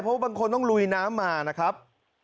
เพราะบางคนต้องลุยน้ำมานะครับ